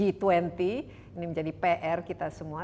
ini menjadi pr kita semua